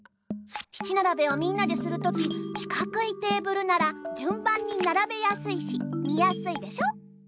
七ならべをみんなでするときしかくいテーブルならじゅん番にならべやすいし見やすいでしょ？